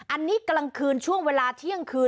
อันนี้กลางคืนช่วงเวลาเที่ยงคืน